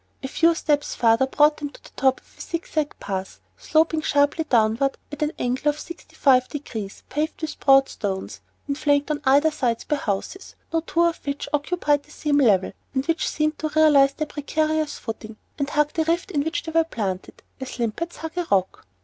A few steps farther brought them to the top of a zig zag path, sloping sharply downward at an angle of some sixty five degrees, paved with broad stones, and flanked on either side by houses, no two of which occupied the same level, and which seemed to realize their precarious footing, and hug the rift in which they were planted as limpets hug a rock.